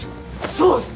そうっす！